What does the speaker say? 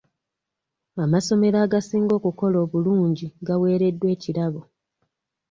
Amasomero agasinga okukola obulungi aweereddwa ekirabo.